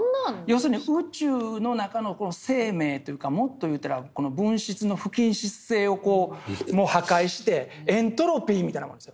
要するに宇宙の中の生命というかもっと言うたら物質の不均質性を破壊してエントロピーみたいなもんですよ。